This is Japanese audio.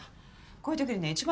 こういうときにね